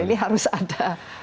jadi harus ada